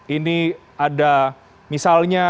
ini ada misalnya